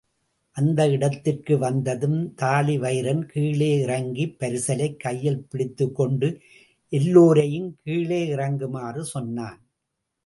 அந்த இடத்திற்கு வந்ததும் தாழிவயிறன் கீழே இறங்கிப் பரிசலைக் கையில் பிடித்துக்கொண்டு எல்லாரையும் கீழே இறங்குமாறு சொன்னான்.